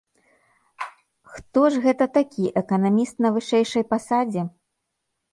Хто ж гэта такі, эканаміст на вышэйшай пасадзе?